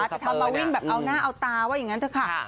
จะทำมาวิ่งแบบเอาหน้าเอาตาว่าอย่างนั้นเถอะค่ะ